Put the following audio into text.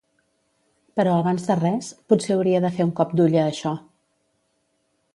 Però abans de res, potser hauria de fer un cop d'ull a això.